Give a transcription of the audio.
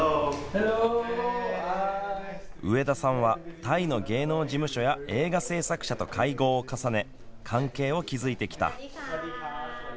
上田さんはタイの芸能事務所や映画制作者と会合を重ね、関係を築いてきた。